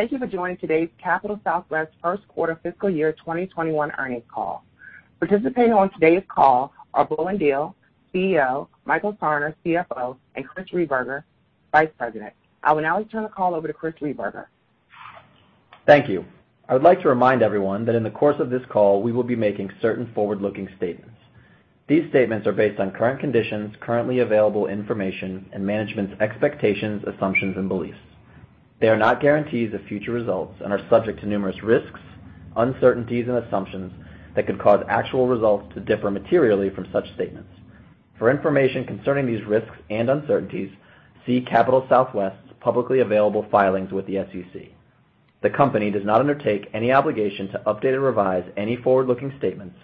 Thank you for joining today's Capital Southwest First Quarter Fiscal Year 2021 Earnings Call. Participating on today's call are Bowen Diehl, CEO, Michael Sarner, CFO, and Chris Rehberger, Vice President. I will now turn the call over to Chris Rehberger. Thank you. I would like to remind everyone that in the course of this call, we will be making certain forward-looking statements. These statements are based on current conditions, currently available information, and management's expectations, assumptions, and beliefs. They are not guarantees of future results and are subject to numerous risks, uncertainties, and assumptions that could cause actual results to differ materially from such statements. For information concerning these risks and uncertainties, see Capital Southwest's publicly available filings with the SEC. The company does not undertake any obligation to update or revise any forward-looking statements,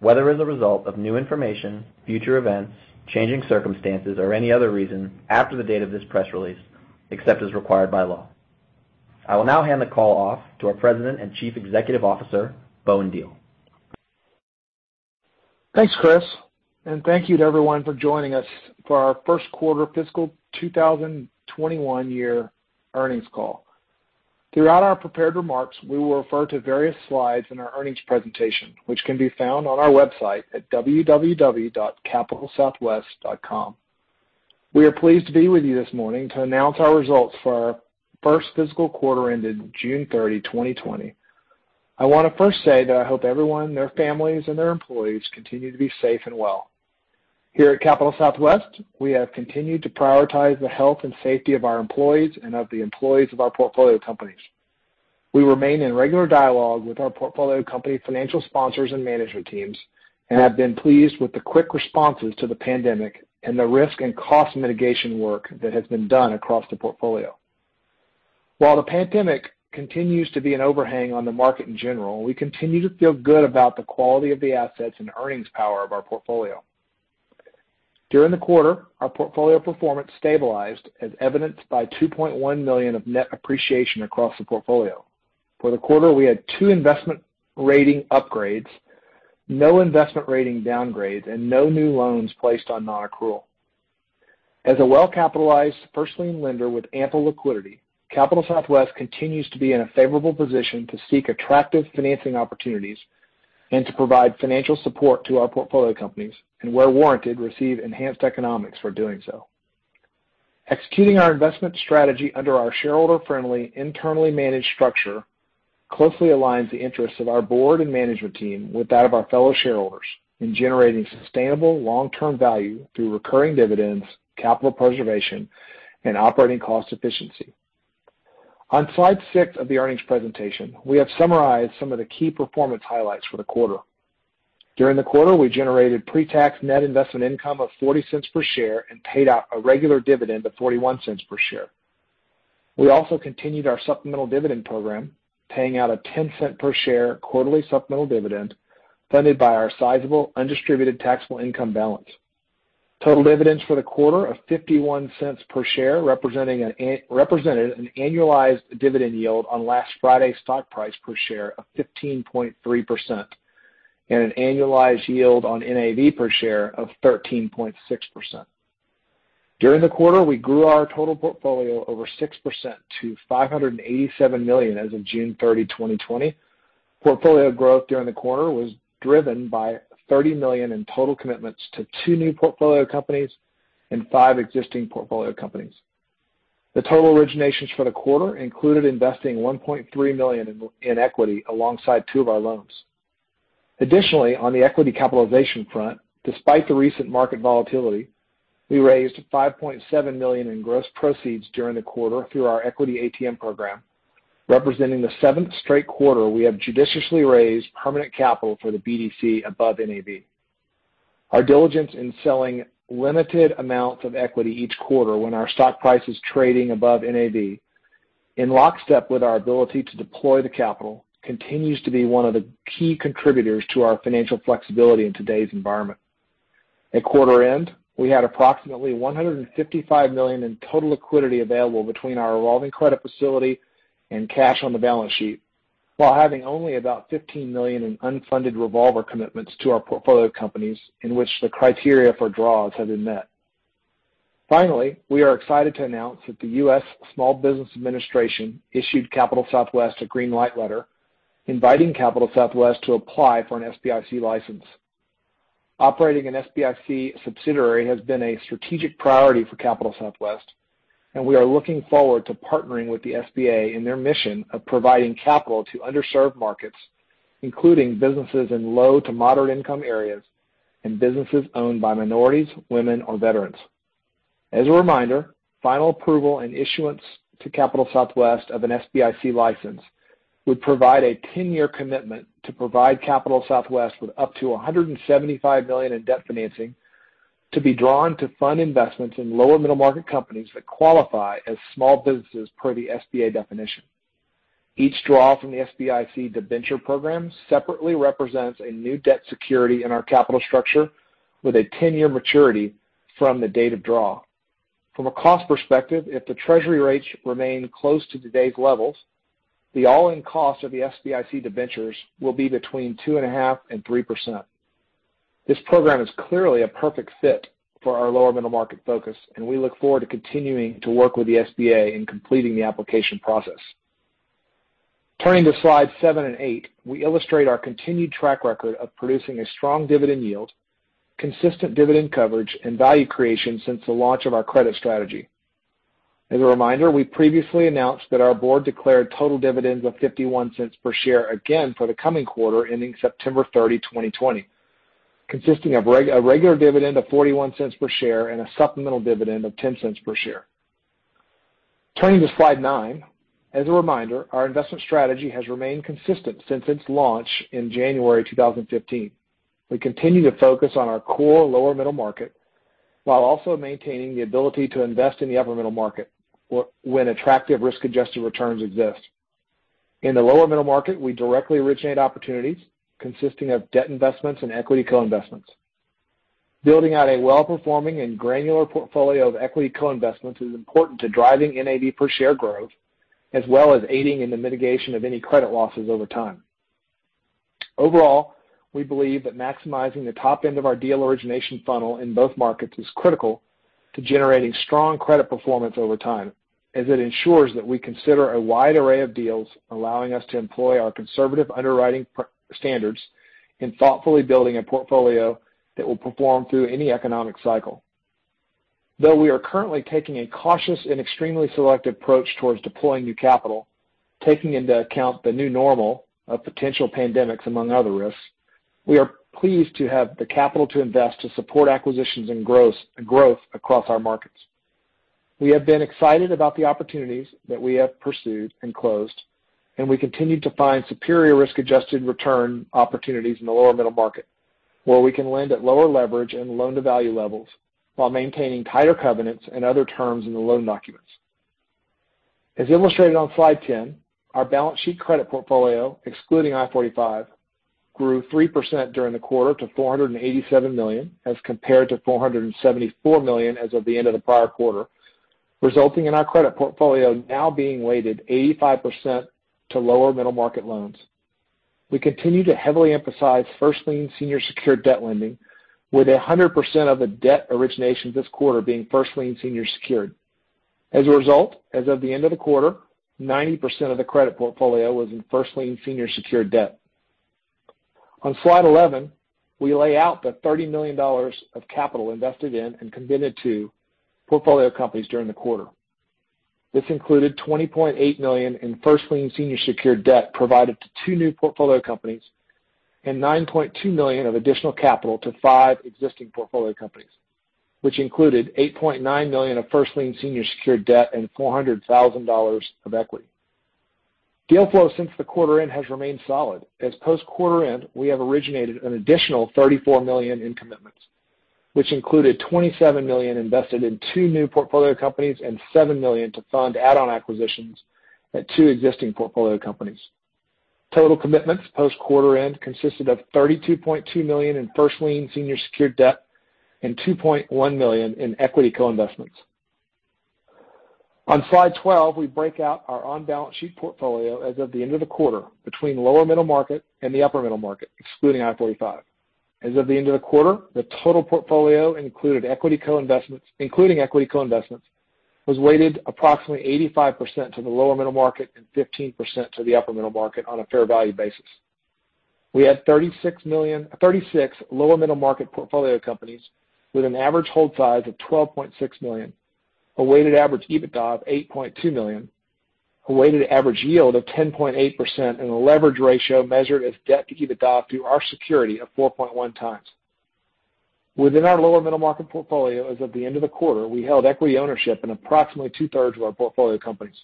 whether as a result of new information, future events, changing circumstances, or any other reason after the date of this press release, except as required by law. I will now hand the call off to our President and Chief Executive Officer, Bowen Diehl. Thanks, Chris. Thank you to everyone for joining us for our first quarter fiscal 2021 year earnings call. Throughout our prepared remarks, we will refer to various slides in our earnings presentation, which can be found on our website at capitalsouthwest.com. We are pleased to be with you this morning to announce our results for our first fiscal quarter ended June 30, 2020. I want to first say that I hope everyone, their families, and their employees continue to be safe and well. Here at Capital Southwest, we have continued to prioritize the health and safety of our employees and of the employees of our portfolio companies. We remain in regular dialogue with our portfolio company financial sponsors and management teams and have been pleased with the quick responses to the pandemic and the risk and cost mitigation work that has been done across the portfolio. While the pandemic continues to be an overhang on the market in general, we continue to feel good about the quality of the assets and earnings power of our portfolio. During the quarter, our portfolio performance stabilized as evidenced by $2.1 million of net appreciation across the portfolio. For the quarter, we had two investment rating upgrades, no investment rating downgrades, and no new loans placed on non-accrual. As a well-capitalized first lien lender with ample liquidity, Capital Southwest continues to be in a favorable position to seek attractive financing opportunities and to provide financial support to our portfolio companies, and where warranted, receive enhanced economics for doing so. Executing our investment strategy under our shareholder-friendly, internally managed structure closely aligns the interests of our board and management team with that of our fellow shareholders in generating sustainable long-term value through recurring dividends, capital preservation, and operating cost efficiency. On slide six of the earnings presentation, we have summarized some of the key performance highlights for the quarter. During the quarter, we generated pre-tax net investment income of $0.40 per share and paid out a regular dividend of $0.41 per share. We also continued our supplemental dividend program, paying out a $0.10 per share quarterly supplemental dividend funded by our sizable undistributed taxable income balance. Total dividends for the quarter of $0.51 per share represented an annualized dividend yield on last Friday's stock price per share of 15.3% and an annualized yield on NAV per share of 13.6%. During the quarter, we grew our total portfolio over 6% to $587 million as of June 30, 2020. Portfolio growth during the quarter was driven by $30 million in total commitments to two new portfolio companies and five existing portfolio companies. The total originations for the quarter included investing $1.3 million in equity alongside two of our loans. Additionally, on the equity capitalization front, despite the recent market volatility, we raised $5.7 million in gross proceeds during the quarter through our equity ATM program, representing the seventh straight quarter we have judiciously raised permanent capital for the BDC above NAV. Our diligence in selling limited amounts of equity each quarter when our stock price is trading above NAV, in lockstep with our ability to deploy the capital, continues to be one of the key contributors to our financial flexibility in today's environment. At quarter end, we had approximately $155 million in total liquidity available between our revolving credit facility and cash on the balance sheet while having only about $15 million in unfunded revolver commitments to our portfolio companies in which the criteria for draws have been met. We are excited to announce that the U.S. Small Business Administration issued Capital Southwest a green light letter inviting Capital Southwest to apply for an SBIC license. Operating an SBIC subsidiary has been a strategic priority for Capital Southwest, we are looking forward to partnering with the SBA in their mission of providing capital to underserved markets, including businesses in low to moderate income areas and businesses owned by minorities, women, or veterans. As a reminder, final approval and issuance to Capital Southwest of an SBIC license would provide a 10-year commitment to provide Capital Southwest with up to $175 million in debt financing to be drawn to fund investments in lower middle-market companies that qualify as small businesses per the SBA definition. Each draw from the SBIC debenture program separately represents a new debt security in our capital structure with a 10-year maturity from the date of draw. From a cost perspective, if the Treasury rates remain close to today's levels, the all-in cost of the SBIC debentures will be between 2.5% and 3%. This program is clearly a perfect fit for our lower middle-market focus, and we look forward to continuing to work with the SBA in completing the application process. Turning to slide seven and eight, we illustrate our continued track record of producing a strong dividend yield, consistent dividend coverage, and value creation since the launch of our credit strategy. As a reminder, we previously announced that our board declared total dividends of $0.51 per share again for the coming quarter ending September 30, 2020, consisting of a regular dividend of $0.41 per share and a supplemental dividend of $0.10 per share. Turning to slide nine. As a reminder, our investment strategy has remained consistent since its launch in January 2015. We continue to focus on our core lower middle market, while also maintaining the ability to invest in the upper middle market when attractive risk-adjusted returns exist. In the lower middle market, we directly originate opportunities consisting of debt investments and equity co-investments. Building out a well-performing and granular portfolio of equity co-investments is important to driving NAV per share growth, as well as aiding in the mitigation of any credit losses over time. Overall, we believe that maximizing the top end of our deal origination funnel in both markets is critical to generating strong credit performance over time, as it ensures that we consider a wide array of deals, allowing us to employ our conservative underwriting standards in thoughtfully building a portfolio that will perform through any economic cycle. Though we are currently taking a cautious and extremely selective approach towards deploying new capital, taking into account the new normal of potential pandemics, among other risks, we are pleased to have the capital to invest to support acquisitions and growth across our markets. We have been excited about the opportunities that we have pursued and closed, and we continue to find superior risk-adjusted return opportunities in the lower middle market, where we can lend at lower leverage and loan-to-value levels while maintaining tighter covenants and other terms in the loan documents. As illustrated on slide 10, our balance sheet credit portfolio, excluding I-45, grew 3% during the quarter to $487 million, as compared to $474 million as of the end of the prior quarter, resulting in our credit portfolio now being weighted 85% to lower middle-market loans. We continue to heavily emphasize first lien senior secured debt lending, with 100% of the debt originations this quarter being first lien senior secured. As a result, as of the end of the quarter, 90% of the credit portfolio was in first lien senior secured debt. On slide 11, we lay out the $30 million of capital invested in and committed to portfolio companies during the quarter. This included $20.8 million in first lien senior secured debt provided to two new portfolio companies, and $9.2 million of additional capital to five existing portfolio companies, which included $8.9 million of first lien senior secured debt and $400,000 of equity. Deal flow since the quarter end has remained solid, as post-quarter end, we have originated an additional $34 million in commitments, which included $27 million invested in two new portfolio companies and $7 million to fund add-on acquisitions at two existing portfolio companies. Total commitments post-quarter end consisted of $32.2 million in first lien senior secured debt and $2.1 million in equity co-investments. On slide 12, we break out our on-balance sheet portfolio as of the end of the quarter between lower middle market and the upper middle market, excluding I-45. As of the end of the quarter, the total portfolio including equity co-investments, was weighted approximately 85% to the lower middle market and 15% to the upper middle market on a fair value basis. We had 36 lower middle market portfolio companies with an average hold size of $12.6 million, a weighted average EBITDA of $8.2 million, a weighted average yield of 10.8%, and a leverage ratio measured as debt to EBITDA through our security of 4.1 times. Within our lower middle market portfolio, as of the end of the quarter, we held equity ownership in approximately two-thirds of our portfolio companies.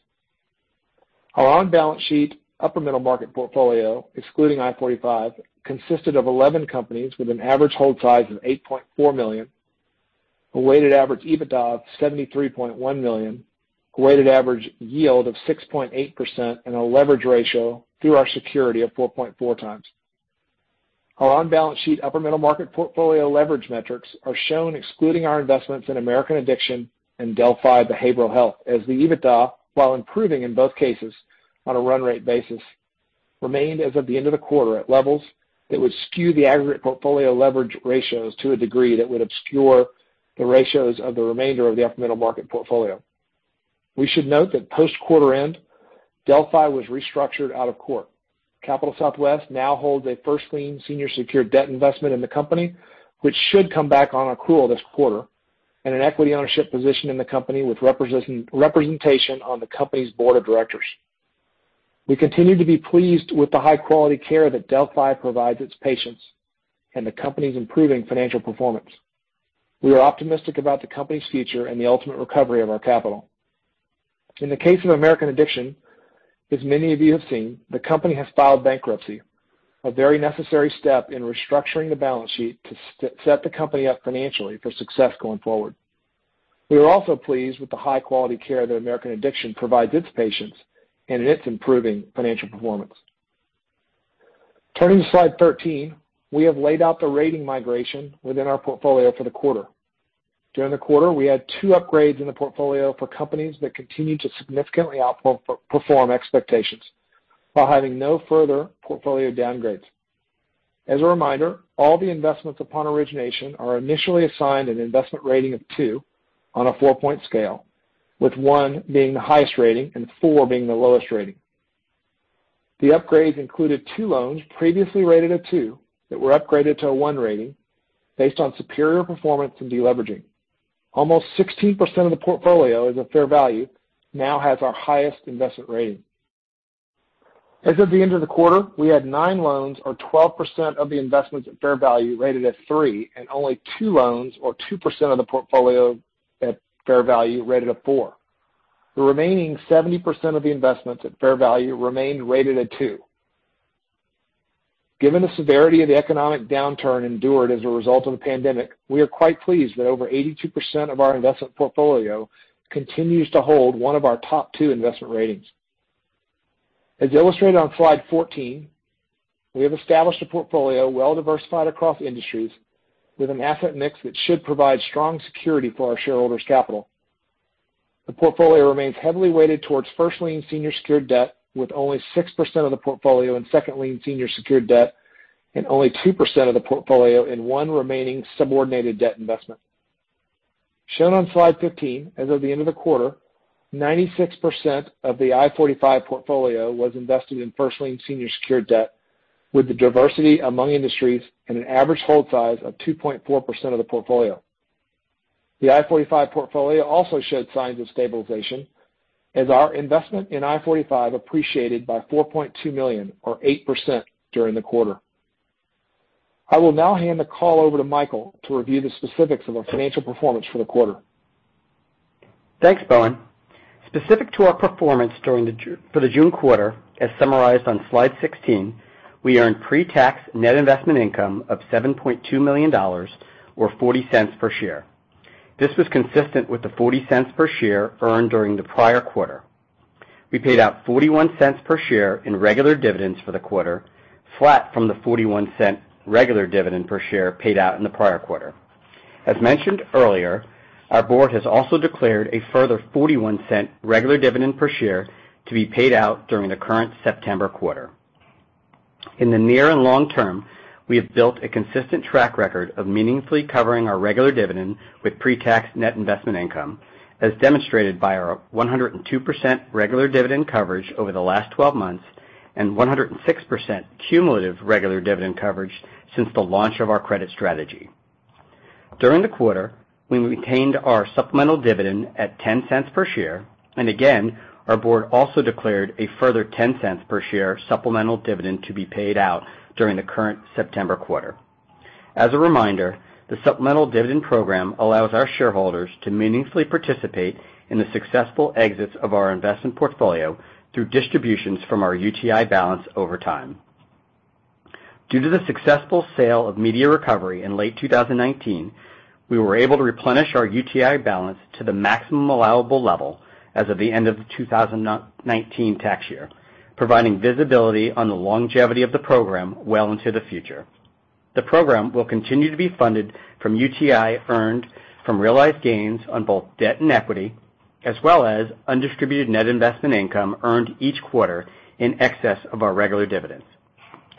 Our on-balance sheet upper middle market portfolio, excluding I-45, consisted of 11 companies with an average hold size of $8.4 million, a weighted average EBITDA of $73.1 million, a weighted average yield of 6.8% and a leverage ratio through our security of 4.4 times. Our on-balance sheet upper middle market portfolio leverage metrics are shown excluding our investments in American Addiction and Delphi Behavioral Health, as the EBITDA, while improving in both cases on a run rate basis, remained as of the end of the quarter at levels that would skew the aggregate portfolio leverage ratios to a degree that would obscure the ratios of the remainder of the upper middle market portfolio. We should note that post-quarter end, Delphi was restructured out of court. Capital Southwest now holds a first lien senior secured debt investment in the company, which should come back on accrual this quarter, and an equity ownership position in the company with representation on the company's board of directors. We continue to be pleased with the high quality care that Delphi provides its patients and the company's improving financial performance. We are optimistic about the company's future and the ultimate recovery of our capital. In the case of American Addiction, as many of you have seen, the company has filed bankruptcy, a very necessary step in restructuring the balance sheet to set the company up financially for success going forward. We are also pleased with the high quality care that American Addiction provides its patients and in its improving financial performance. Turning to slide 13, we have laid out the rating migration within our portfolio for the quarter. During the quarter, we had two upgrades in the portfolio for companies that continued to significantly outperform expectations while having no further portfolio downgrades. As a reminder, all the investments upon origination are initially assigned an investment rating of two on a four-point scale, with one being the highest rating and four being the lowest rating. The upgrades included two loans previously rated a two that were upgraded to a one rating based on superior performance and de-leveraging. Almost 16% of the portfolio at a fair value now has our highest investment rating. As of the end of the quarter, we had nine loans, or 12% of the investments at fair value, rated at three, and only two loans, or 2% of the portfolio at fair value, rated a four. The remaining 70% of the investments at fair value remained rated a two. Given the severity of the economic downturn endured as a result of the pandemic, we are quite pleased that over 82% of our investment portfolio continues to hold one of our top two investment ratings. As illustrated on slide 14, we have established a portfolio well-diversified across industries with an asset mix that should provide strong security for our shareholders' capital. The portfolio remains heavily weighted towards first-lien senior secured debt, with only 6% of the portfolio in second-lien senior secured debt and only 2% of the portfolio in one remaining subordinated debt investment. Shown on slide 15, as of the end of the quarter, 96% of the I-45 portfolio was invested in first-lien senior secured debt, with the diversity among industries and an average hold size of 2.4% of the portfolio. The I-45 portfolio also showed signs of stabilization as our investment in I-45 appreciated by $4.2 million, or 8%, during the quarter. I will now hand the call over to Michael to review the specifics of our financial performance for the quarter. Thanks, Bowen. Specific to our performance for the June quarter, as summarized on slide 16, we earned pre-tax net investment income of $7.2 million, or $0.40 per share. This was consistent with the $0.40 per share earned during the prior quarter. We paid out $0.41 per share in regular dividends for the quarter, flat from the $0.41 regular dividend per share paid out in the prior quarter. As mentioned earlier, our board has also declared a further $0.41 regular dividend per share to be paid out during the current September quarter. In the near and long term, we have built a consistent track record of meaningfully covering our regular dividend with pre-tax net investment income, as demonstrated by our 102% regular dividend coverage over the last 12 months and 106% cumulative regular dividend coverage since the launch of our credit strategy. During the quarter, we maintained our supplemental dividend at $0.10 per share, and again, our board also declared a further $0.10 per share supplemental dividend to be paid out during the current September quarter. As a reminder, the supplemental dividend program allows our shareholders to meaningfully participate in the successful exits of our investment portfolio through distributions from our UTI balance over time. Due to the successful sale of Media Recovery in late 2019, we were able to replenish our UTI balance to the maximum allowable level as of the end of the 2019 tax year, providing visibility on the longevity of the program well into the future. The program will continue to be funded from UTI earned from realized gains on both debt and equity, as well as undistributed net investment income earned each quarter in excess of our regular dividends.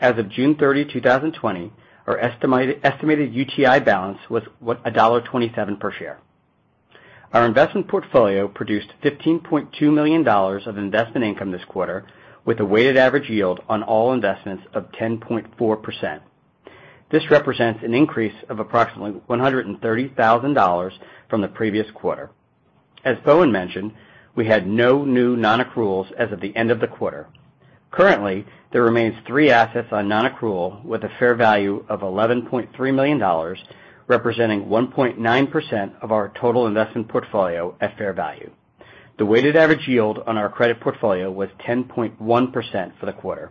As of June 30, 2020, our estimated UTI balance was $1.27 per share. Our investment portfolio produced $15.2 million of investment income this quarter, with a weighted average yield on all investments of 10.4%. This represents an increase of approximately $130,000 from the previous quarter. As Bowen mentioned, we had no new non-accruals as of the end of the quarter. Currently, there remains three assets on non-accrual with a fair value of $11.3 million, representing 1.9% of our total investment portfolio at fair value. The weighted average yield on our credit portfolio was 10.1% for the quarter.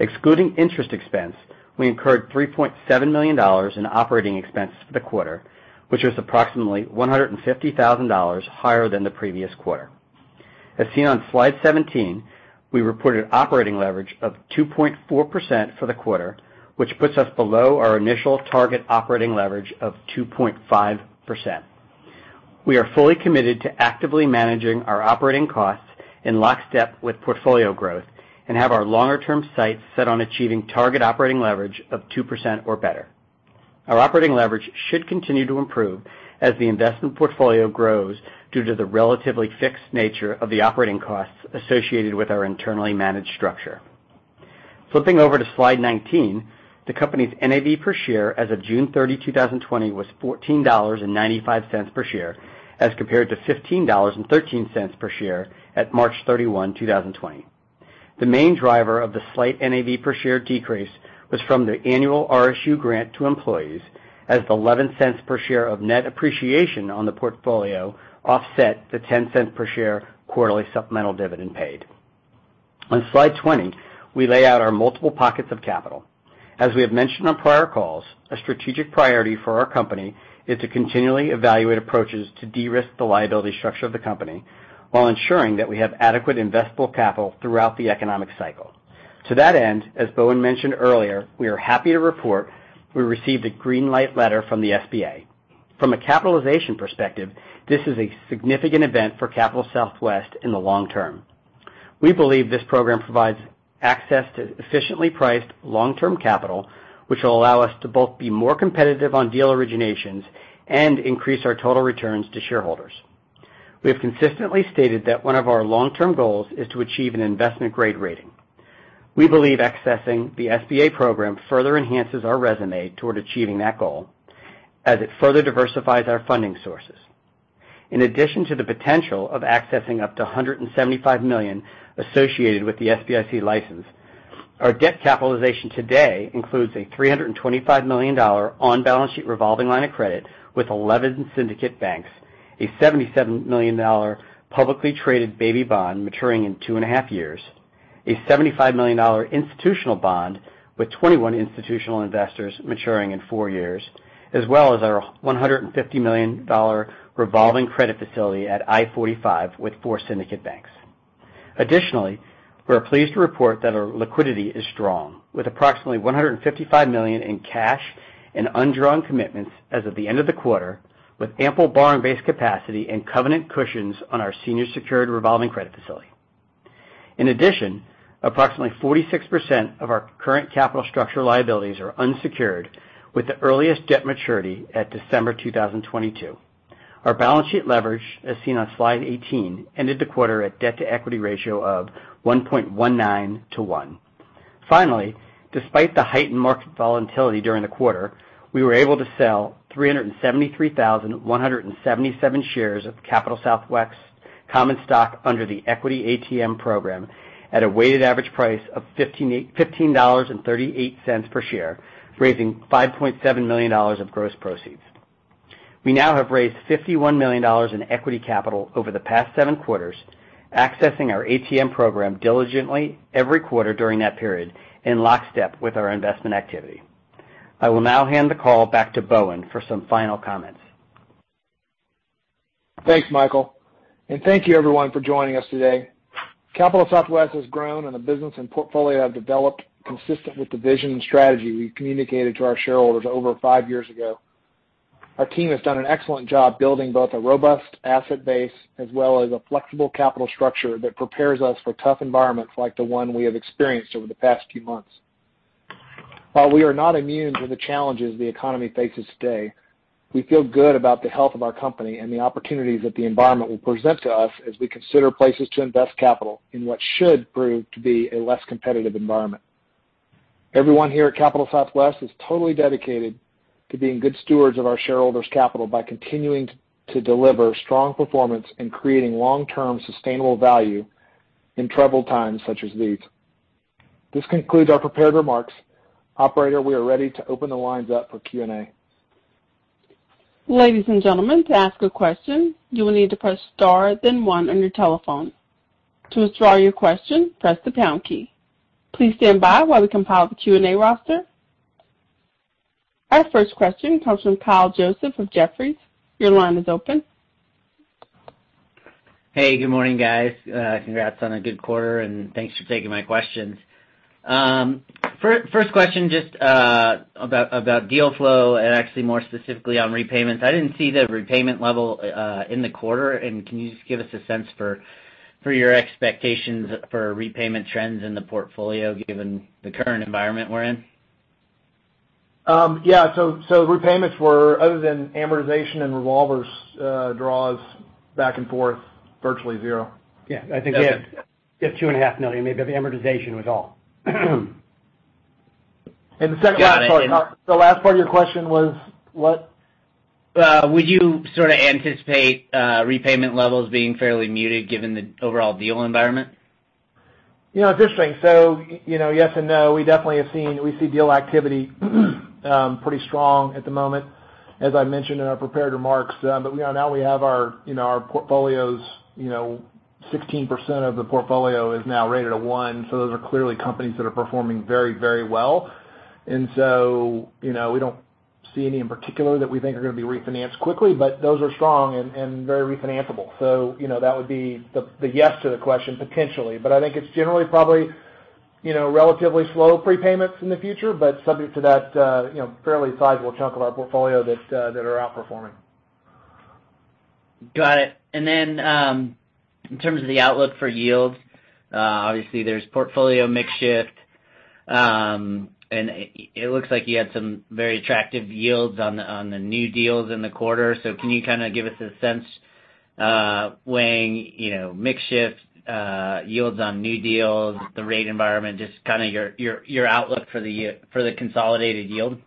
Excluding interest expense, we incurred $3.7 million in operating expenses for the quarter, which was approximately $150,000 higher than the previous quarter. As seen on slide 17, we reported operating leverage of 2.4% for the quarter, which puts us below our initial target operating leverage of 2.5%. We are fully committed to actively managing our operating costs in lockstep with portfolio growth and have our longer-term sights set on achieving target operating leverage of 2% or better. Our operating leverage should continue to improve as the investment portfolio grows due to the relatively fixed nature of the operating costs associated with our internally managed structure. Flipping over to slide 19, the company's NAV per share as of June 30, 2020, was $14.95 per share as compared to $15.13 per share at March 31, 2020. The main driver of the slight NAV per share decrease was from the annual RSU grant to employees as the $0.11 per share of net appreciation on the portfolio offset the $0.10 per share quarterly supplemental dividend paid. On slide 20, we lay out our multiple pockets of capital. As we have mentioned on prior calls, a strategic priority for our company is to continually evaluate approaches to de-risk the liability structure of the company while ensuring that we have adequate investable capital throughout the economic cycle. To that end, as Bowen mentioned earlier, we are happy to report we received a green light letter from the SBA. From a capitalization perspective, this is a significant event for Capital Southwest in the long term. We believe this program provides access to efficiently priced long-term capital, which will allow us to both be more competitive on deal originations and increase our total returns to shareholders. We have consistently stated that one of our long-term goals is to achieve an investment-grade rating. We believe accessing the SBA program further enhances our resume toward achieving that goal, as it further diversifies our funding sources. In addition to the potential of accessing up to $175 million associated with the SBIC license, our debt capitalization today includes a $325 million on-balance sheet revolving line of credit with 11 syndicate banks, a $77 million publicly traded baby bond maturing in 2.5 years, a $75 million institutional bond with 21 institutional investors maturing in four years, as well as our $150 million revolving credit facility at I-45 with four syndicate banks. We are pleased to report that our liquidity is strong, with approximately $155 million in cash and undrawn commitments as of the end of the quarter, with ample borrowing-based capacity and covenant cushions on our senior secured revolving credit facility. Approximately 46% of our current capital structure liabilities are unsecured, with the earliest debt maturity at December 2022. Our balance sheet leverage, as seen on slide 18, ended the quarter at debt-to-equity ratio of 1.19 to one. Finally, despite the heightened market volatility during the quarter, we were able to sell 373,177 shares of Capital Southwest's common stock under the equity ATM program at a weighted average price of $15.38 per share, raising $5.7 million of gross proceeds. We now have raised $51 million in equity capital over the past seven quarters, accessing our ATM program diligently every quarter during that period, in lockstep with our investment activity. I will now hand the call back to Bowen for some final comments. Thanks, Michael. Thank you everyone for joining us today. Capital Southwest has grown, and the business and portfolio have developed consistent with the vision and strategy we communicated to our shareholders over five years ago. Our team has done an excellent job building both a robust asset base as well as a flexible capital structure that prepares us for tough environments like the one we have experienced over the past few months. While we are not immune to the challenges the economy faces today, we feel good about the health of our company and the opportunities that the environment will present to us as we consider places to invest capital in what should prove to be a less competitive environment. Everyone here at Capital Southwest is totally dedicated to being good stewards of our shareholders' capital by continuing to deliver strong performance and creating long-term sustainable value in troubled times such as these. This concludes our prepared remarks. Operator, we are ready to open the lines up for Q&A. Ladies and gentlemen, to ask a question, you will need to press star then one on your telephone. To withdraw your question, press the pound key. Please stand by while we compile the Q&A roster. Our first question comes from Kyle Joseph of Jefferies. Your line is open, Hey, good morning, guys. Congrats on a good quarter, thanks for taking my questions. First question, just about deal flow and actually more specifically on repayments. I didn't see the repayment level in the quarter. Can you just give us a sense for your expectations for repayment trends in the portfolio, given the current environment we're in? Yeah. Repayments were, other than amortization and revolvers draws back and forth, virtually zero. Yeah. I think we had $2.5 million maybe of amortization was all. I'm sorry. The last part of your question was what? Would you sort of anticipate repayment levels being fairly muted given the overall deal environment? It's interesting. Yes and no. We see deal activity pretty strong at the moment, as I mentioned in our prepared remarks. Now we have our portfolios. 16% of the portfolio is now rated a one, so those are clearly companies that are performing very well. We don't see any in particular that we think are going to be refinanced quickly, but those are strong and very refinanceable. That would be the yes to the question, potentially. I think it's generally probably relatively slow prepayments in the future, but subject to that fairly sizable chunk of our portfolio that are outperforming. Got it. In terms of the outlook for yields, obviously there's portfolio mix shift. It looks like you had some very attractive yields on the new deals in the quarter. Can you kind of give us a sense weighing mix shift, yields on new deals, the rate environment, just kind of your outlook for the consolidated yield?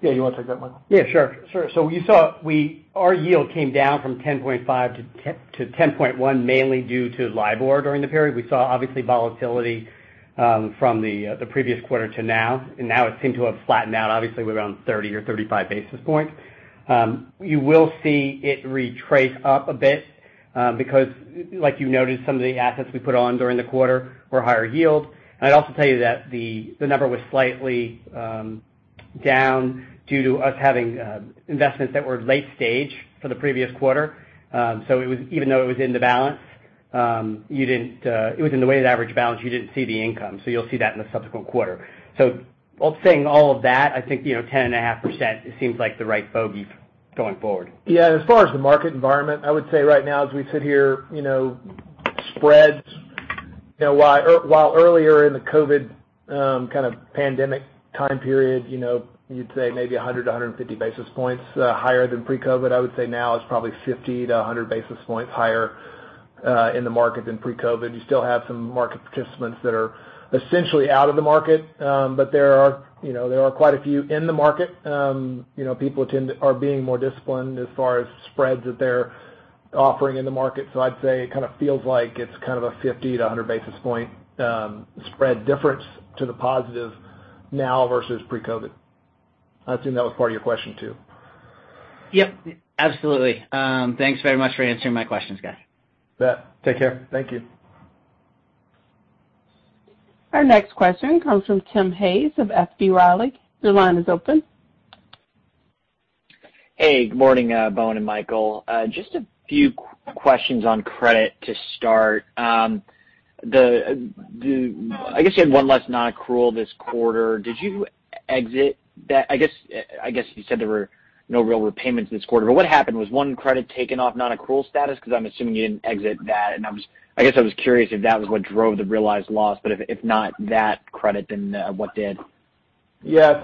Yeah. You want to take that one? Yeah, sure. You saw our yield came down from 10.5 to 10.1, mainly due to LIBOR during the period. We saw, obviously, volatility from the previous quarter to now. Now it seemed to have flattened out, obviously with around 30 or 35 basis points. You will see it retrace up a bit, because like you noted, some of the assets we put on during the quarter were higher yield. I'd also tell you that the number was slightly down due to us having investments that were late-stage for the previous quarter. Even though it was in the weighted average balance, you didn't see the income. You'll see that in the subsequent quarter. Saying all of that, I think 10.5% seems like the right bogey going forward. Yeah, as far as the market environment, I would say right now as we sit here, spreads, while earlier in the COVID kind of pandemic time period, you'd say maybe 100 to 150 basis points higher than pre-COVID. I would say now it's probably 50 to 100 basis points higher in the market than pre-COVID. You still have some market participants that are essentially out of the market. There are quite a few in the market. People are being more disciplined as far as spreads that they're offering in the market. I'd say it kind of feels like it's kind of a 50 to 100 basis point spread difference to the positive now versus pre-COVID. I assume that was part of your question, too. Yep, absolutely. Thanks very much for answering my questions, guys. You bet. Take care. Thank you. Our next question comes from Tim Hayes of F B. Riley. Your line is open. Hey, good morning, Bowen and Michael. Just a few questions on credit to start. I guess you had one less non-accrual this quarter. I guess you said there were no real repayments this quarter. What happened? Was one credit taken off non-accrual status? Because I'm assuming you didn't exit that, and I guess I was curious if that was what drove the realized loss. If not that credit, then what did? Yeah.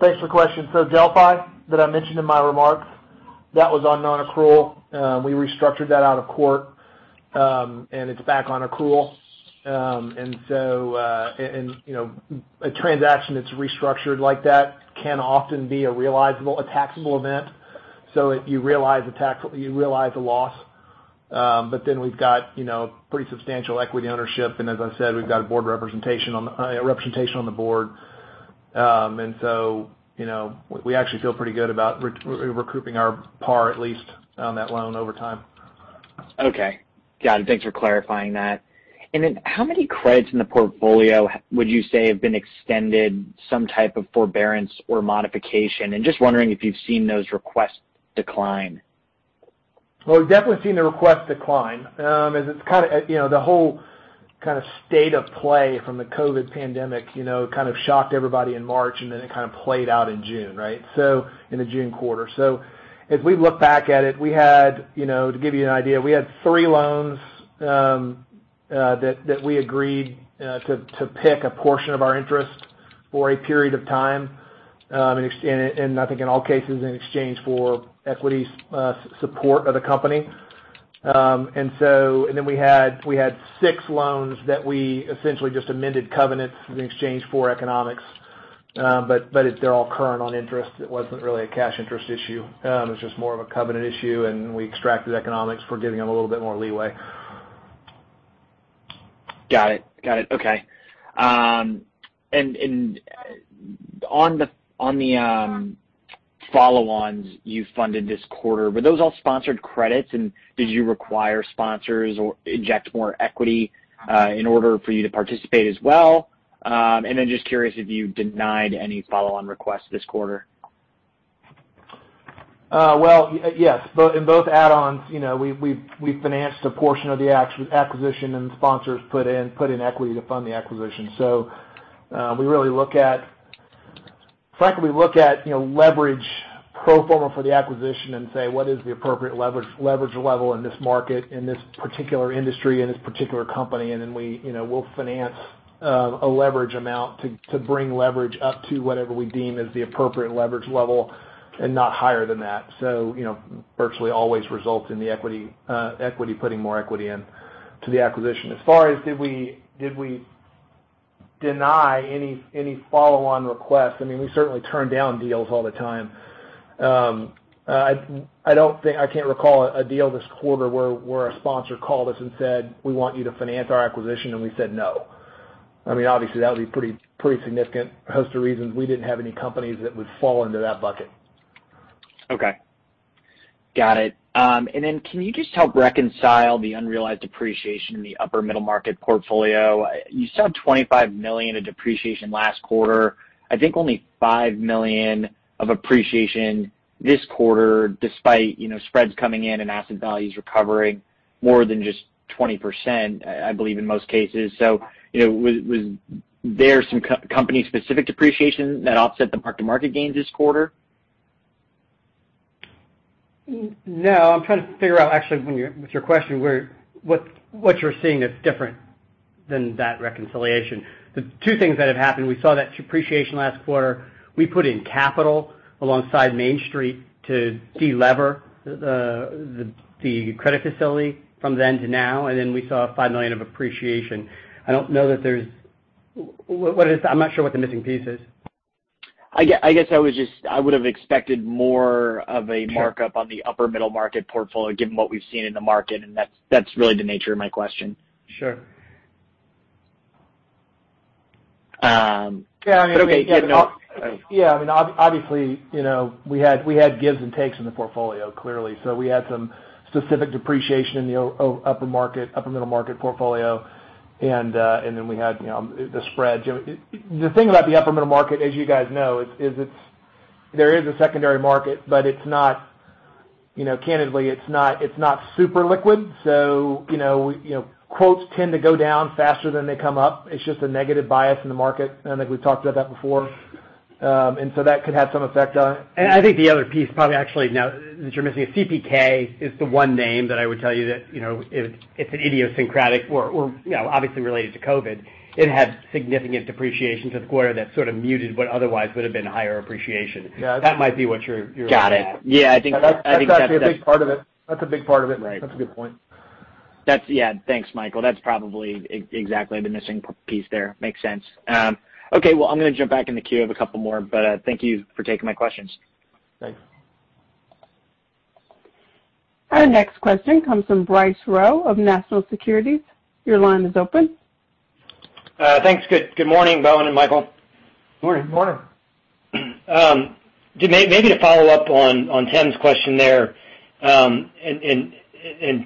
Thanks for the question. Delphi, that I mentioned in my remarks, that was on non-accrual. We restructured that out of court, and it's back on accrual. A transaction that's restructured like that can often be a realizable, a taxable event. You realize the loss. We've got pretty substantial equity ownership. As I said, we've got representation on the board. We actually feel pretty good about recouping our par, at least, on that loan over time. Okay. Got it. Thanks for clarifying that. How many credits in the portfolio would you say have been extended some type of forbearance or modification? Just wondering if you've seen those requests decline? Well, we've definitely seen the requests decline. It's kind of the whole kind of state of play from the COVID pandemic kind of shocked everybody in March, and then it kind of played out in June, right? In the June quarter. As we look back at it, to give you an idea, we had three loans that we agreed to pick a portion of our interest for a period of time. I think in all cases, in exchange for equity support of the company. We had six loans that we essentially just amended covenants in exchange for economics. They're all current on interest. It wasn't really a cash interest issue. It was just more of a covenant issue, and we extracted economics for giving them a little bit more leeway. Got it. Okay. On the follow-ons you funded this quarter, were those all sponsored credits? Did you require sponsors or inject more equity in order for you to participate as well? Just curious if you denied any follow-on requests this quarter. Well, yes. In both add-ons, we've financed a portion of the acquisition and the sponsors put in equity to fund the acquisition. Frankly, we look at leverage pro forma for the acquisition and say, what is the appropriate leverage level in this market, in this particular industry, in this particular company? Then we'll finance a leverage amount to bring leverage up to whatever we deem as the appropriate leverage level and not higher than that. Virtually always results in the equity, putting more equity into the acquisition. As far as did we deny any follow-on requests, I mean, we certainly turn down deals all the time. I can't recall a deal this quarter where a sponsor called us and said, "We want you to finance our acquisition," and we said no. I mean, obviously, that would be pretty significant host of reasons we didn't have any companies that would fall into that bucket. Okay. Got it. Can you just help reconcile the unrealized depreciation in the upper middle market portfolio? You saw $25 million of depreciation last quarter. I think only $5 million of appreciation this quarter, despite spreads coming in and asset values recovering more than just 20%, I believe, in most cases. Was there some company-specific depreciation that offset the mark-to-market gains this quarter? No. I'm trying to figure out actually with your question what you're seeing that's different than that reconciliation. The two things that have happened, we saw that depreciation last quarter. We put in capital alongside Main Street to de-lever the credit facility from then to now, and then we saw a $5 million of appreciation. I'm not sure what the missing piece is. I guess I would've expected more of a markup on the upper middle market portfolio, given what we've seen in the market, and that's really the nature of my question. Sure. Yeah, I mean, obviously, we had gives and takes in the portfolio, clearly. We had some specific depreciation in the upper middle market portfolio. We had the spread. The thing about the upper middle market, as you guys know, there is a secondary market, candidly, it's not super liquid, quotes tend to go down faster than they come up. It's just a negative bias in the market, I think we've talked about that before. That could have some effect on it. I think the other piece probably actually now that you're missing is CPK is the one name that I would tell you that it's an idiosyncratic or obviously related to COVID. It had significant depreciation to the quarter that sort of muted what otherwise would've been higher appreciation. Yeah. That might be what you're looking at. Got it. Yeah, I think that's. That's actually a big part of it. That's a big part of it. Right. That's a good point. Yeah. Thanks, Michael. That's probably exactly the missing piece there. Makes sense. Okay. Well, I'm going to jump back in the queue. I have a couple more, but thank you for taking my questions. Thanks. Our next question comes from Bryce Rowe of National Securities. Your line is open. Thanks. Good morning, Bowen and Michael. Morning. Morning. Maybe to follow up on Tim's question there,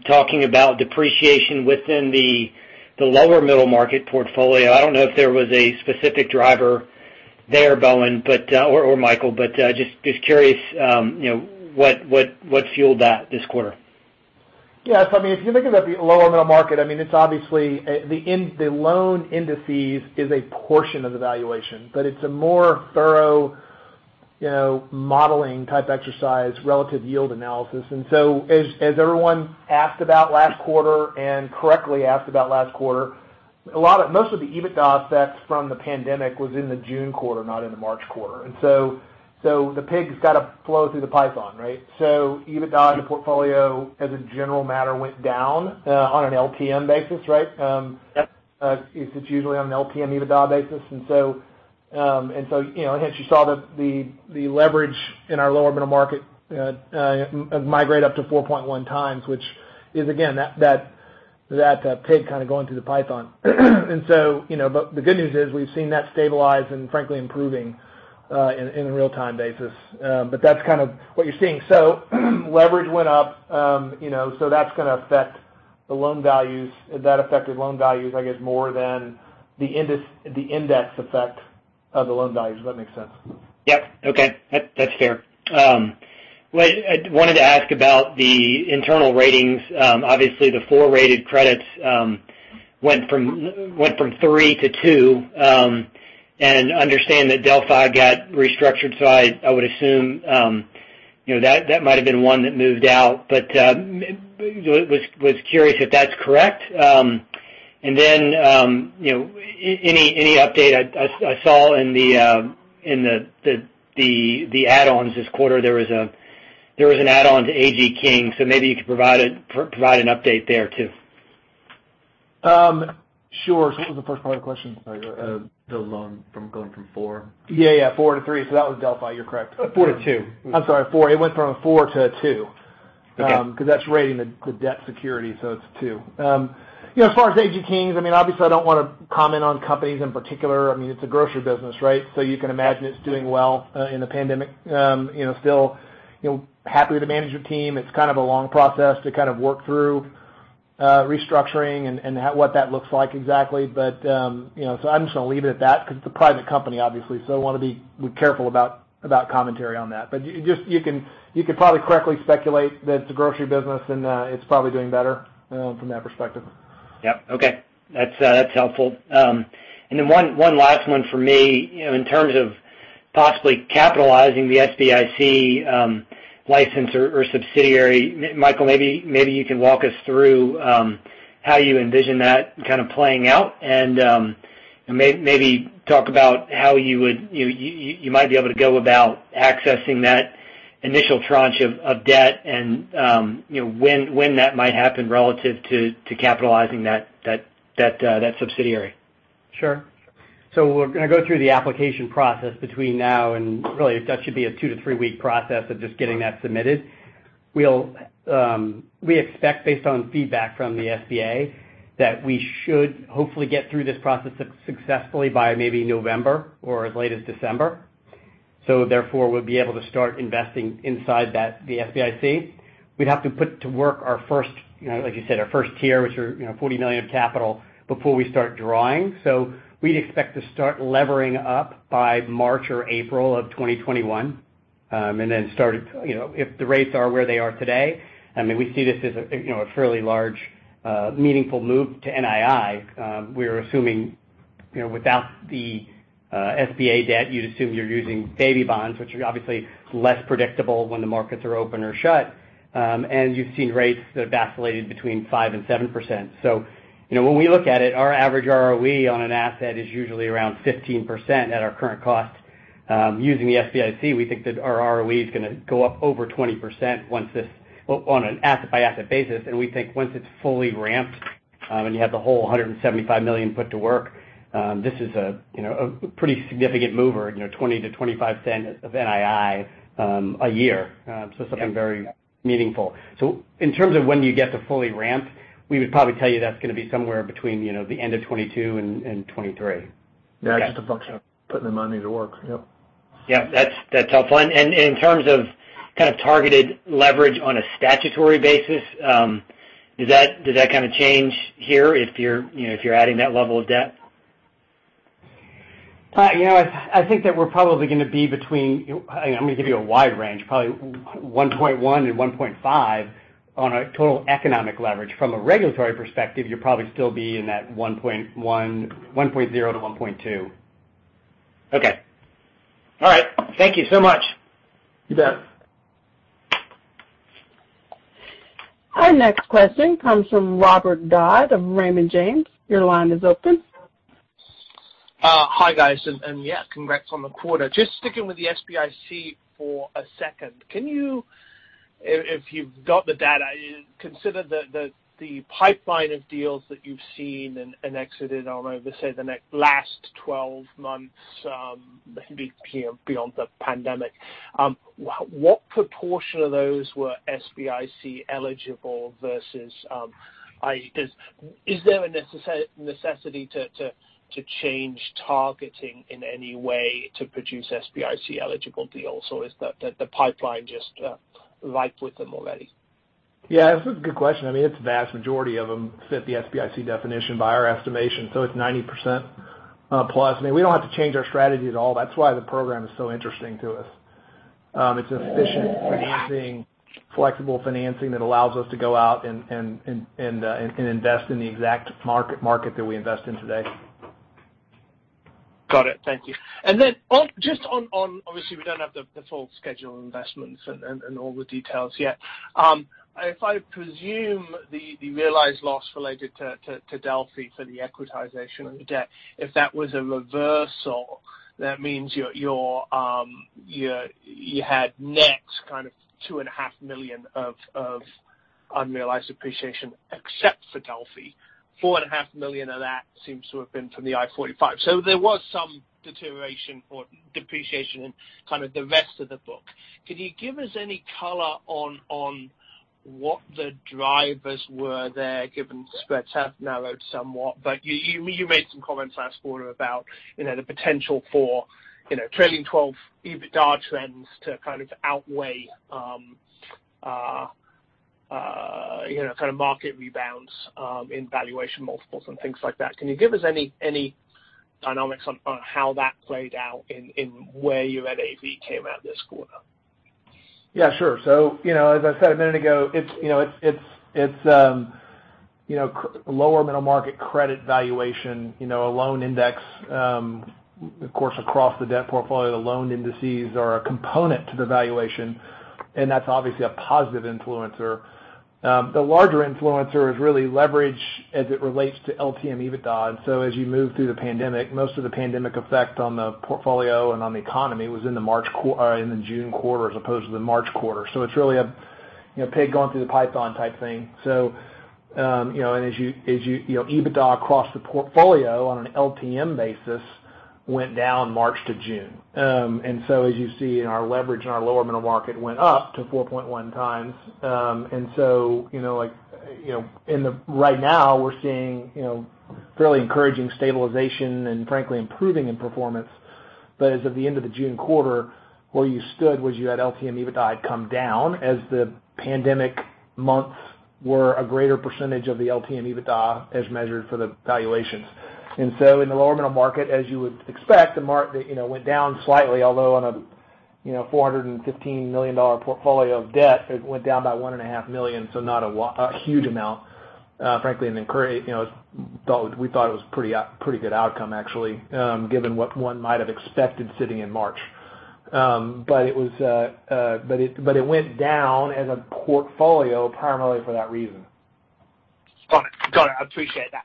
talking about depreciation within the lower middle market portfolio. I don't know if there was a specific driver there, Bowen or Michael, just curious what fueled that this quarter? Yeah. I mean, if you think about the lower middle market, it's obviously the loan indices is a portion of the valuation, but it's a more thorough modeling type exercise, relative yield analysis. As everyone asked about last quarter, and correctly asked about last quarter, most of the EBITDA effect from the pandemic was in the June quarter, not in the March quarter. The pig's got to flow through the python, right? EBITDA in the portfolio as a general matter, went down on an LTM basis, right? Yep. It's usually on an LTM EBITDA basis. Hence you saw the leverage in our lower middle market migrate up to 4.1 times, which is again, that pig kind of going through the python. The good news is we've seen that stabilize and frankly improving on a real time basis. That's kind of what you're seeing. Leverage went up. That's going to affect the loan values. That affected loan values, I guess, more than the index effect of the loan values, if that makes sense. Yep. Okay. That's fair. I wanted to ask about the internal ratings. Obviously the four rated credits went from three to two. Understand that Delphi got restructured, so I would assume that might've been one that moved out. Was curious if that's correct. Any update I saw in the add-ons this quarter, there was an add-on to AG Kings. Maybe you could provide an update there too. Sure. What was the first part of the question? Sorry. The loan from going from four. Yeah. Four to three. That was Delphi. You're correct. Four to two. I'm sorry, four. It went from a four to a two. Okay. Because that's rating the debt security, so it's a two. As far as AG Kings, obviously I don't want to comment on companies in particular. It's a grocery business, right? You can imagine it's doing well in the pandemic. Still happy with the management team. It's kind of a long process to kind of work through restructuring and what that looks like exactly. I'm just going to leave it at that because it's a private company, obviously. I want to be careful about commentary on that. You could probably correctly speculate that it's a grocery business and it's probably doing better from that perspective. Yep. Okay. That's helpful. One last one for me. In terms of possibly capitalizing the SBIC license or subsidiary, Michael, maybe you can walk us through how you envision that kind of playing out and maybe talk about how you might be able to go about accessing that initial tranche of debt and when that might happen relative to capitalizing that subsidiary. Sure. We're going to go through the application process between now and really that should be a two to three week process of just getting that submitted. We expect based on feedback from the SBA, that we should hopefully get through this process successfully by maybe November or as late as December. Therefore, we'll be able to start investing inside the SBIC. We'd have to put to work our first, like you said, our first tier, which are $40 million of capital before we start drawing. We'd expect to start levering up by March or April of 2021. Then if the rates are where they are today, we see this as a fairly large, meaningful move to NII. We're assuming without the SBA debt, you'd assume you're using baby bonds, which are obviously less predictable when the markets are open or shut. You've seen rates that have vacillated between 5% and 7%. When we look at it, our average ROE on an asset is usually around 15% at our current cost. Using the SBIC, we think that our ROE is going to go up over 20% on an asset by asset basis. We think once it's fully ramped, and you have the whole $175 million put to work, this is a pretty significant mover, $0.20-$0.25 of NII a year. Something very meaningful. In terms of when you get to fully ramped, we would probably tell you that's going to be somewhere between the end of 2022 and 2023. Yeah. It's just a function of putting the money to work. Yep. Yeah. That's helpful. In terms of targeted leverage on a statutory basis, does that change here if you're adding that level of debt? I think that we're probably going to be between, I'm going to give you a wide range, probably 1.1 and 1.5 on a total economic leverage. From a regulatory perspective, you'll probably still be in that 1.0-1.2. Okay. All right. Thank you so much. You bet. Our next question comes from Robert Dodd of Raymond James. Your line is open. Hi, guys. Yeah, congrats on the quarter. Just sticking with the SBIC for a second. Can you, if you've got the data, consider the pipeline of deals that you've seen and exited on over, say, the last 12 months, maybe beyond the pandemic? What proportion of those were SBIC eligible versus is there a necessity to change targeting in any way to produce SBIC eligible deals? Or is the pipeline just ripe with them already? Yeah. This is a good question. It's the vast majority of them fit the SBIC definition by our estimation, so it's 90% +. We don't have to change our strategy at all. That's why the program is so interesting to us. It's efficient financing, flexible financing that allows us to go out and invest in the exact market that we invest in today. Got it. Thank you. Obviously, we don't have the full schedule of investments and all the details yet. If I presume the realized loss related to Delphi for the equitization of the debt, if that was a reversal, that means you had net $2.5 million of unrealized appreciation, except for Delphi. $4.5 million of that seems to have been from the I-45. There was some deterioration or depreciation in the rest of the book. Could you give us any color on what the drivers were there, given spreads have narrowed somewhat. You made some comments last quarter about the potential for trailing-12 EBITDA trends to outweigh kind of market rebounds in valuation multiples and things like that. Can you give us any dynamics on how that played out in where your NAV came out this quarter? Yeah, sure. As I said a minute ago, it's lower middle market credit valuation, a loan index, of course, across the debt portfolio, the loan indices are a component to the valuation, and that's obviously a positive influencer. The larger influencer is really leverage as it relates to LTM EBITDA. As you move through the pandemic, most of the pandemic effect on the portfolio and on the economy was in the June quarter as opposed to the March quarter. It's really a pig going through the python type thing. EBITDA across the portfolio on an LTM basis went down March to June. As you see in our leverage and our lower middle market went up to 4.1 times. Right now we're seeing fairly encouraging stabilization and frankly, improving in performance. As of the end of the June quarter, where you stood was you had LTM EBITDA had come down as the pandemic months were a greater percentage of the LTM EBITDA as measured for the valuations. In the lower middle market, as you would expect, the market went down slightly, although on a $415 million portfolio of debt, it went down by $1.5 million, so not a huge amount. Frankly, we thought it was pretty good outcome actually, given what one might have expected sitting in March. It went down as a portfolio primarily for that reason. Got it. I appreciate that.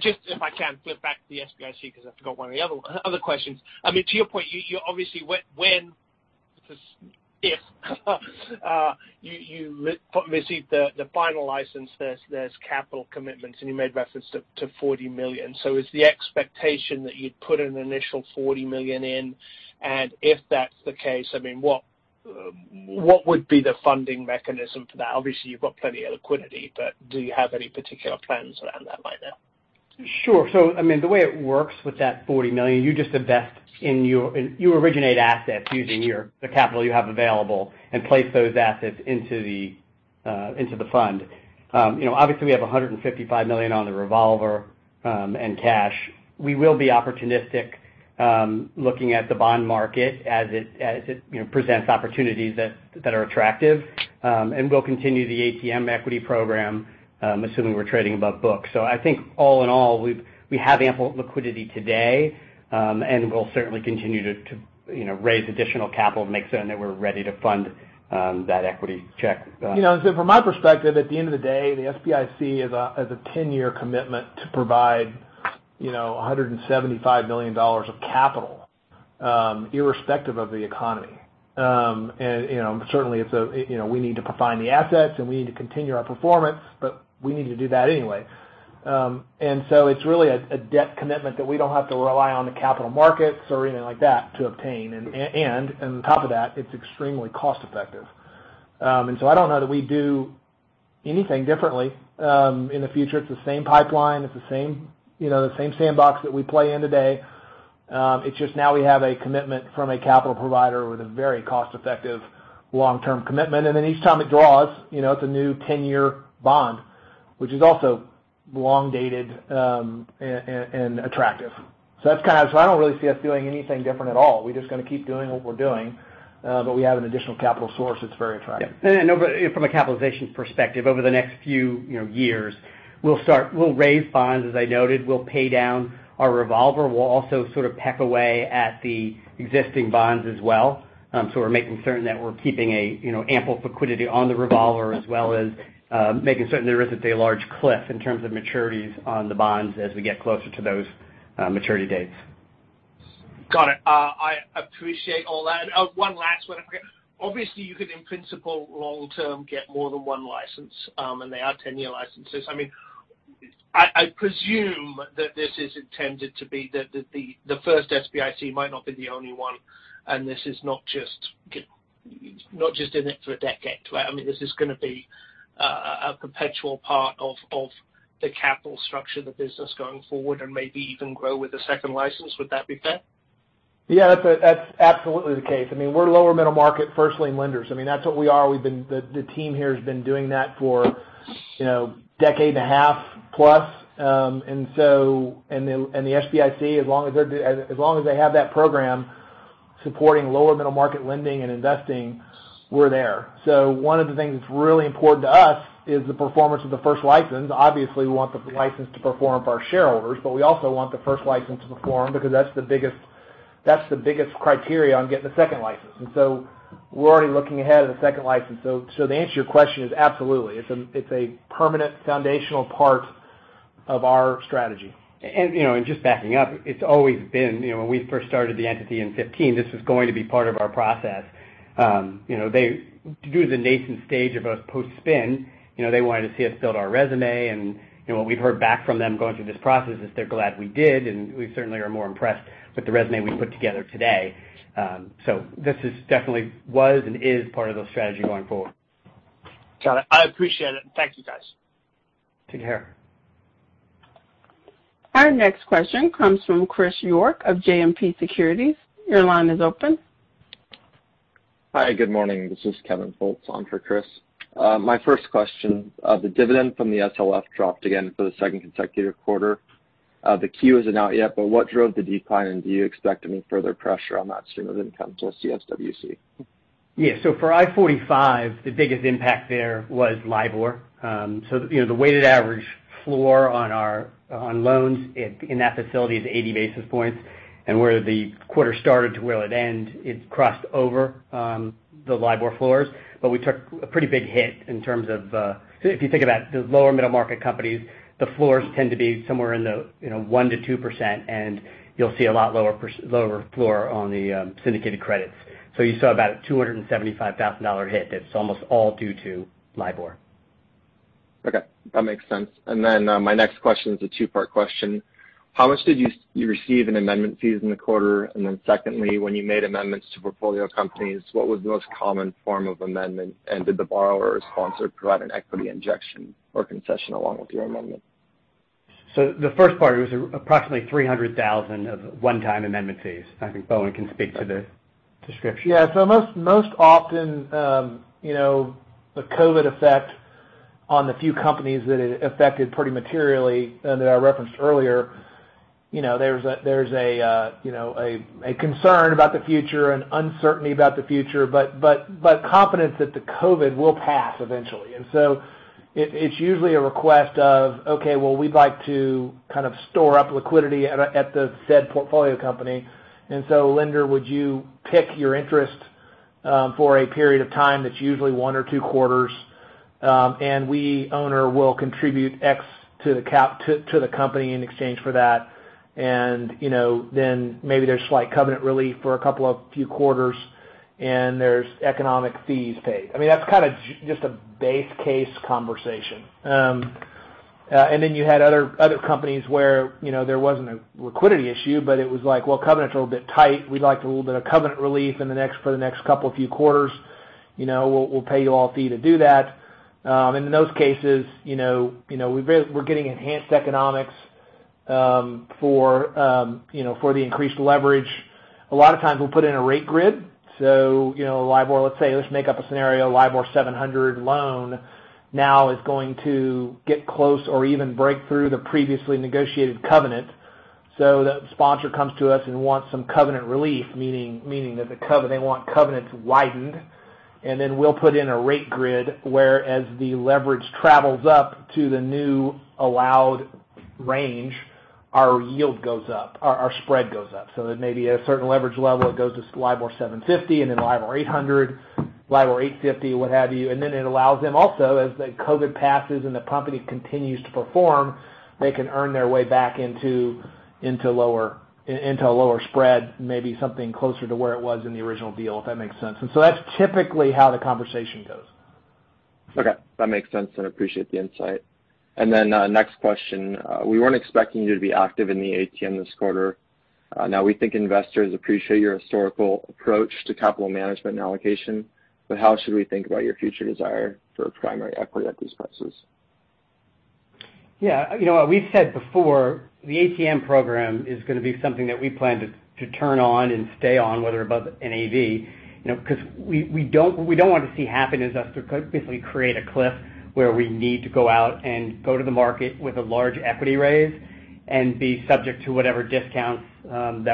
Just if I can flip back to the SBIC because I've got one of the other questions. To your point, you obviously when, if you receive the final license, there's capital commitments, and you made reference to $40 million. Is the expectation that you'd put an initial $40 million in? If that's the case, what would be the funding mechanism for that? Obviously, you've got plenty of liquidity, but do you have any particular plans around that right now? Sure. The way it works with that $40 million, you originate assets using the capital you have available and place those assets into the fund. Obviously, we have $155 million on the revolver, and cash. We will be opportunistic, looking at the bond market as it presents opportunities that are attractive. We'll continue the ATM equity program, assuming we're trading above book. I think all in all, we have ample liquidity today, and we'll certainly continue to raise additional capital to make certain that we're ready to fund that equity check. From my perspective, at the end of the day, the SBIC is a 10-year commitment to provide $175 million of capital, irrespective of the economy. Certainly, we need to find the assets, and we need to continue our performance, but we need to do that anyway. It's really a debt commitment that we don't have to rely on the capital markets or anything like that to obtain. On top of that, it's extremely cost-effective. I don't know that we do anything differently in the future. It's the same pipeline. It's the same sandbox that we play in today. It's just now we have a commitment from a capital provider with a very cost-effective long-term commitment. Each time it draws, it's a new 10-year bond, which is also long-dated and attractive. I don't really see us doing anything different at all. We're just going to keep doing what we're doing, but we have an additional capital source that's very attractive. Yeah. From a capitalization perspective, over the next few years, we'll raise bonds, as I noted. We'll pay down our revolver. We'll also sort of peck away at the existing bonds as well. We're making certain that we're keeping ample liquidity on the revolver, as well as making certain there isn't a large cliff in terms of maturities on the bonds as we get closer to those maturity dates. Got it. I appreciate all that. One last one. Obviously, you could, in principle, long term, get more than one license, and they are 10-year licenses. I presume that this is intended to be the first SBIC might not be the only one, and this is not just in it for a decade. This is going to be a perpetual part of the capital structure of the business going forward and maybe even grow with a second license. Would that be fair? Yeah, that's absolutely the case. We're lower middle market first-lien lenders. That's what we are. The team here has been doing that for a 10.5+. The SBIC, as long as they have that program supporting lower middle market lending and investing, we're there. One of the things that's really important to us is the performance of the first license. Obviously, we want the license to perform for our shareholders, but we also want the first license to perform because that's the biggest criteria on getting the second license. We're already looking ahead at the second license. The answer to your question is absolutely. It's a permanent foundational part of our strategy. Just backing up, it's always been when we first started the entity in 2015, this was going to be part of our process. Due to the nascent stage of a post-spin, they wanted to see us build our resume, and what we've heard back from them going through this process is they're glad we did, and we certainly are more impressed with the resume we put together today. This definitely was and is part of the strategy going forward. Got it. I appreciate it. Thank you, guys. Take care. Our next question comes from Chris York of JMP Securities. Your line is open. Hi, good morning. This is Kevin Fultz on for Chris. My first question, the dividend from the SLF dropped again for the second consecutive quarter. The Q isn't out yet. What drove the decline, and do you expect any further pressure on that stream of income to CSWC? Yeah. For I-45, the biggest impact there was LIBOR. The weighted average floor on loans in that facility is 80 basis points, and where the quarter started to where it end, it crossed over the LIBOR floors. We took a pretty big hit in terms of-- if you think about the lower middle market companies, the floors tend to be somewhere in the 1%-2%, and you'll see a lot lower floor on the syndicated credits. You saw about a $275,000 hit that's almost all due to LIBOR. Okay. That makes sense. My next question is a two-part question. How much did you receive in amendment fees in the quarter? Secondly, when you made amendments to portfolio companies, what was the most common form of amendment, and did the borrower or sponsor provide an equity injection or concession along with your amendment? The first part was approximately $300,000 of one-time amendment fees. I think Bowen can speak to the description. Yeah. Most often, the COVID effect on the few companies that it affected pretty materially and that I referenced earlier, there's a concern about the future and uncertainty about the future, but confidence that the COVID will pass eventually. It's usually a request of, "Okay, well, we'd like to kind of store up liquidity at the said portfolio company, and so lender, would you pick your interest for a period of time that's usually one or two quarters, and we, owner, will contribute X to the company in exchange for that?" Maybe there's slight covenant relief for a couple of few quarters, and there's economic fees paid. That's kind of just a base case conversation. You had other companies where there wasn't a liquidity issue, but it was like, well, covenant's a little bit tight. We'd like a little bit of covenant relief for the next couple few quarters. We'll pay you all a fee to do that. In those cases we're getting enhanced economics for the increased leverage. A lot of times we'll put in a rate grid. Let's make up a scenario, LIBOR 700 loan now is going to get close or even break through the previously negotiated covenant. The sponsor comes to us and wants some covenant relief, meaning that they want covenants widened, and then we'll put in a rate grid where as the leverage travels up to the new allowed range, our yield goes up, our spread goes up. At maybe a certain leverage level, it goes to LIBOR 750, and then LIBOR 800, LIBOR 850, what have you. It allows them also, as the COVID passes and the company continues to perform, they can earn their way back into a lower spread, maybe something closer to where it was in the original deal, if that makes sense. That's typically how the conversation goes. Okay. That makes sense, and I appreciate the insight. Then next question. We weren't expecting you to be active in the ATM this quarter. We think investors appreciate your historical approach to capital management and allocation, but how should we think about your future desire for primary equity at these prices? Yeah. You know what we've said before, the ATM program is going to be something that we plan to turn on and stay on, whether above NAV. What we don't want to see happen is us to basically create a cliff where we need to go out and go to the market with a large equity raise and be subject to whatever discounts and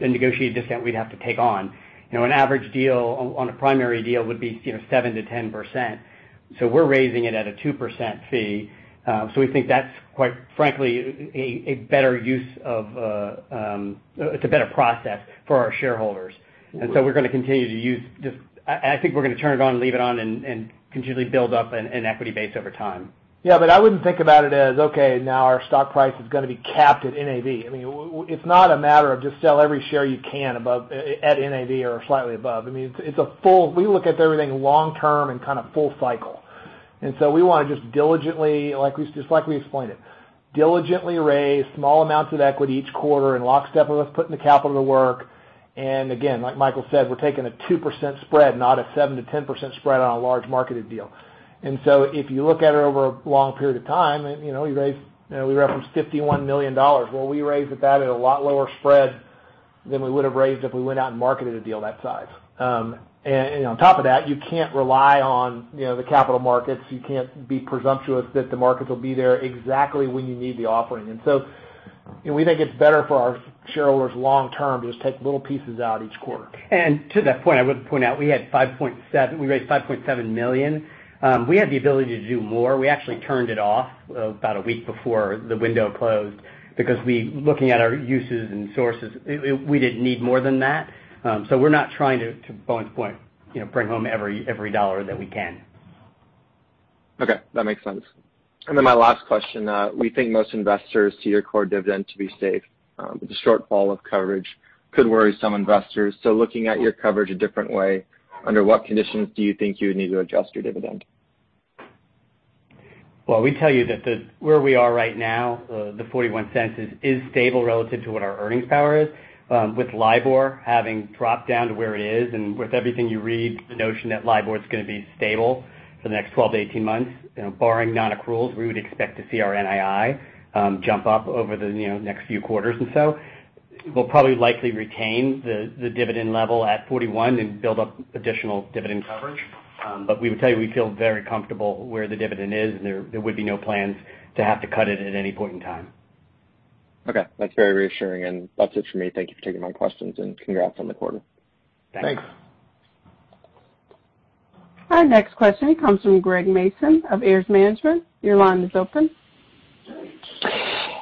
negotiate discount we'd have to take on. An average deal on a primary deal would be 7%-10%. We're raising it at a 2% fee. We think that's quite frankly a better process for our shareholders. We're going to continue to use. I think we're going to turn it on and leave it on and continually build up an equity base over time. Yeah. I wouldn't think about it as, okay, now our stock price is going to be capped at NAV. It's not a matter of just sell every share you can at NAV or slightly above. We look at everything long-term and kind of full cycle. We want to just diligently, just like we explained it, diligently raise small amounts of equity each quarter in lockstep with putting the capital to work. Again, like Michael said, we're taking a 2% spread, not a 7%-10% spread on a large marketed deal. If you look at it over a long period of time, we referenced $51 million. Well, we raised that at a lot lower spread than we would have raised if we went out and marketed a deal that size. On top of that, you can't rely on the capital markets. You can't be presumptuous that the markets will be there exactly when you need the offering. We think it's better for our shareholders long term to just take little pieces out each quarter. To that point, I would point out we raised $5.7 million. We had the ability to do more. We actually turned it off about a week before the window closed because looking at our uses and sources, we didn't need more than that. We're not trying to, Bowen's point, bring home every dollar that we can. Okay. That makes sense. My last question. We think most investors see your core dividend to be safe. The shortfall of coverage could worry some investors. Looking at your coverage a different way, under what conditions do you think you would need to adjust your dividend? We tell you that where we are right now, the $0.41 is stable relative to what our earnings power is. With LIBOR having dropped down to where it is, and with everything you read, the notion that LIBOR is going to be stable for the next 12-18 months. Barring non-accruals, we would expect to see our NII jump up over the next few quarters or so. We'll probably likely retain the dividend level at $0.41 and build up additional dividend coverage. We would tell you we feel very comfortable where the dividend is, and there would be no plans to have to cut it at any point in time. Okay. That's very reassuring, and that's it for me. Thank you for taking my questions, and congrats on the quarter. Thanks. Thank. Our next question comes from Greg Mason of Ares Management. Your line is open.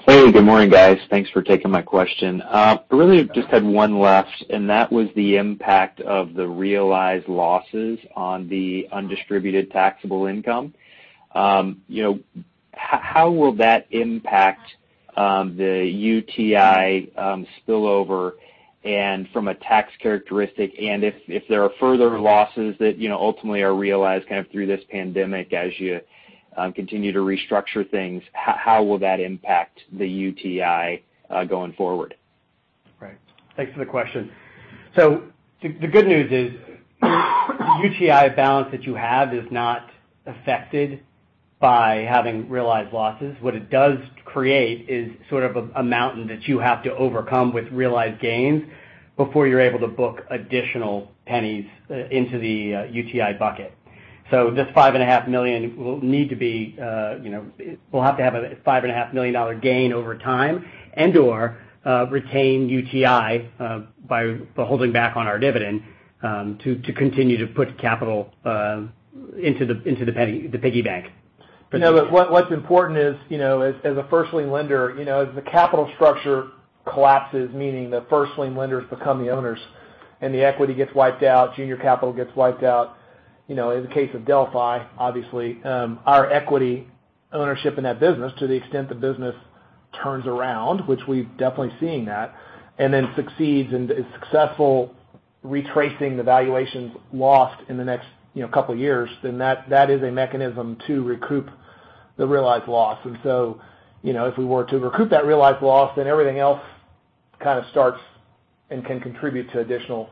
Hey. Good morning, guys. Thanks for taking my question. I really just had one last. That was the impact of the realized losses on the undistributed taxable income. How will that impact the UTI spillover? From a tax characteristic and if there are further losses that ultimately are realized kind of through this pandemic as you continue to restructure things, how will that impact the UTI going forward? Right. Thanks for the question. The good news is the UTI balance that you have is not affected by having realized losses. What it does create is sort of a mountain that you have to overcome with realized gains before you're able to book additional pennies into the UTI bucket. This $5.5 million will have to have a $5.5 million gain over time and/or retain UTI by holding back on our dividend to continue to put capital into the piggy bank. What's important is as a first lien lender, as the capital structure collapses, meaning the first lien lenders become the owners and the equity gets wiped out, junior capital gets wiped out. In the case of Delphi, obviously, our equity ownership in that business to the extent the business turns around, which we've definitely seen that, and then succeeds and is successful retracing the valuations lost in the next couple of years, then that is a mechanism to recoup the realized loss. If we were to recoup that realized loss, then everything else kind of starts and can contribute to additional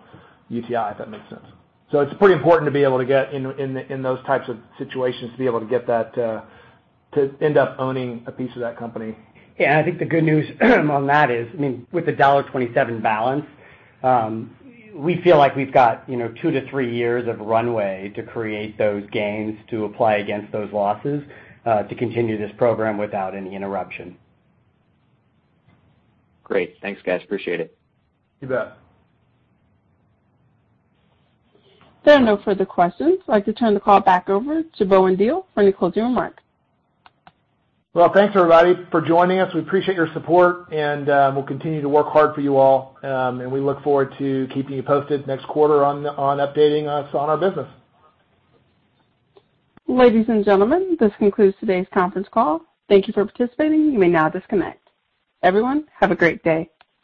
UTI, if that makes sense. It's pretty important to be able to get in those types of situations, to be able to end up owning a piece of that company. I think the good news on that is with a $1.27 balance, we feel like we've got two to three years of runway to create those gains to apply against those losses to continue this program without any interruption. Great. Thanks, guys. Appreciate it. You bet. There are no further questions. I'd like to turn the call back over to Bowen Diehl for any closing remarks. Well, thanks, everybody, for joining us. We appreciate your support, and we'll continue to work hard for you all. We look forward to keeping you posted next quarter on updating us on our business. Ladies and gentlemen, this concludes today's conference call. Thank you for participating. You may now disconnect. Everyone, have a great day.